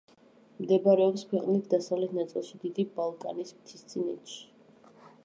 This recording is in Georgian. მდებარეობს ქვეყნის დასავლეთ ნაწილში დიდი ბალკანის მთისწინეთში.